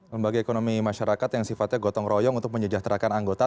lembaga ekonomi masyarakat yang sifatnya gotong royong untuk menyejahterakan anggota